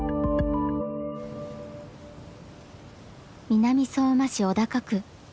南相馬市小高区。